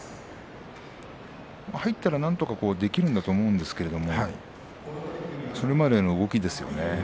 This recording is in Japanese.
入っていけばなんとかできると思うんですがそれまでの動きですよね。